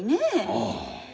ああ。